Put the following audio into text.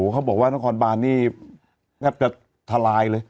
เขาบอกว่านครบาลนี้ภาพหาเลย